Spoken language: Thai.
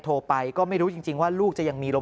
เพราะคนที่เป็นห่วงมากก็คุณแม่ครับ